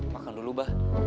makan dulu pak